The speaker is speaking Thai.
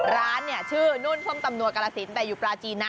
ร้านเนี่ยชื่อนุ่นส้มตำนัวกาลสินแต่อยู่ปลาจีนนะ